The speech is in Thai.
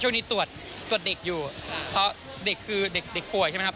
ช่วงนี้ตรวจตรวจเด็กอยู่เพราะเด็กคือเด็กเด็กป่วยใช่ไหมครับ